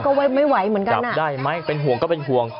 จับได้ไหมเป็นห่วงก็เป็นห่วง